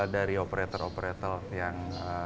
dari operator operator yang